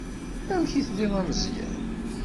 Amek i telliḍ a Meẓyan?